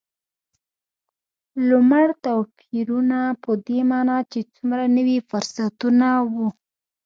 لومړ توپیرونه په دې معنا چې څومره نوي فرصتونه و.